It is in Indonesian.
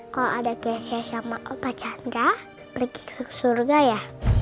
kalau ada gesya sama opa chandra pergi ke surga ya